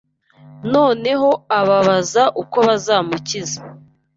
Noneho ababaza uko bazamukiza